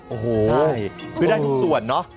โอ้โหจริงได้ทุกส่วนน้อย